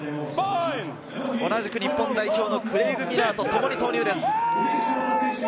同じく日本代表のクレイグ・ミラーとともに投入です。